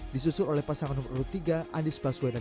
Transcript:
disusul oleh pasangan nomor urut tiga andis basulidat